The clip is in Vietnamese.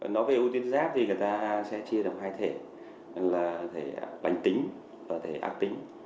nói về ưu tuyến giáp thì người ta sẽ chia ra hai thể là thể lành tính và thể ác tính